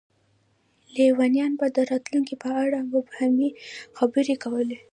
لیونیان به د راتلونکي په اړه مبهمې خبرې کولې.